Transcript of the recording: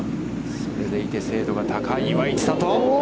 それでいて、精度が高い、岩井千怜。